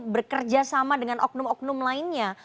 bekerja sama dengan oknum oknum lainnya